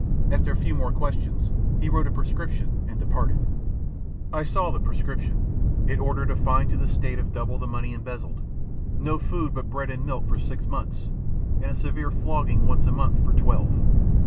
After a few more questions he wrote a prescription and departed. I saw the prescription. It ordered a fine to the State of double the money embezzled; no food but bread and milk for six months, and a severe flogging once a month for twelve.